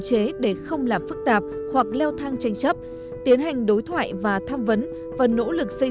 chế để không làm phức tạp hoặc leo thang tranh chấp tiến hành đối thoại và tham vấn và nỗ lực xây